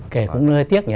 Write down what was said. kể cũng hơi tiếc nhỉ